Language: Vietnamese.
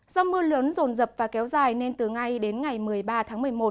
do mưa lớn rồn rập và kéo dài nên từ ngay đến ngày một mươi ba tháng một mươi một